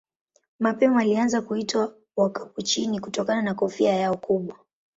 Mapema walianza kuitwa Wakapuchini kutokana na kofia yao kubwa.